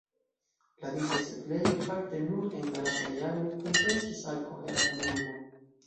La disaj setlejoj fakte nur en la lastaj jaroj kunkreskis al kohera komunumo.